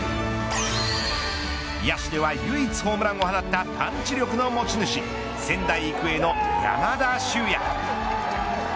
野手では唯一ホームランを放ったパンチ力の持ち主仙台育英の山田脩也。